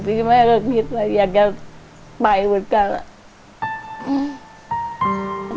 จริงแม่ก็คิดว่าอยากจะไปด้วยกัน